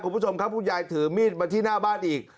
คุณผู้ชมครับคุณยายถือมีดมาที่หน้าบ้านอีก